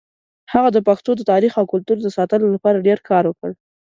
هغه د پښتنو د تاریخ او کلتور د ساتلو لپاره ډېر کار وکړ.